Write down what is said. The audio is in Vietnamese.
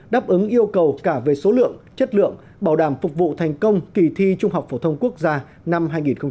đáp ứng yêu cầu cả về số lượng chất lượng bảo đảm phục vụ thành công kỳ thi trung học phổ thông quốc gia năm hai nghìn một mươi tám